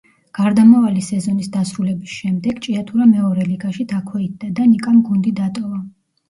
გარდამავალი სეზონის დასრულების შემდეგ „ჭიათურა“ მეორე ლიგაში დაქვეითდა და ნიკამ გუნდი დატოვა.